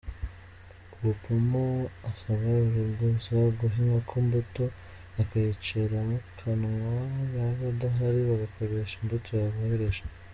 Umupfumu asaba uraguza guha inkoko imbuto, akayiciramu kanwa, yaba adahari bagakoresha imbuto yohereje.